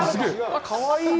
かわいい。